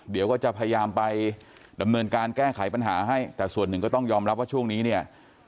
เดี๋ยวก็จะพยายามไปดำเนินการแก้ไขปัญหาให้แต่ส่วนหนึ่งก็ต้องยอมรับว่าช่วงนี้เนี่ย